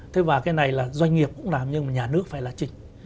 thế và cái này là doanh nghiệp cũng làm nhưng mà nhà nước phải là chỉnh